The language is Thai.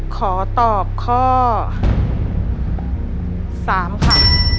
ขอตอบข้อ๓ค่ะ